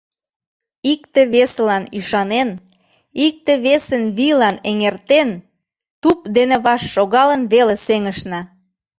— Икте-весылан ӱшанен, икте-весын вийлан эҥертен, туп дене ваш шогалын веле сеҥышна.